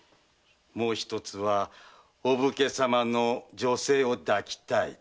もう一つはお武家様の女性を抱きたい。